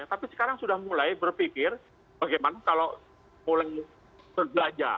tapi sekarang sudah mulai berpikir bagaimana kalau mulai berbelanja